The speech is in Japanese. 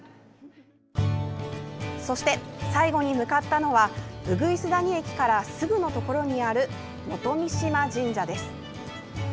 そして最後に向かったのは鶯谷駅からすぐのところにある元三島神社です。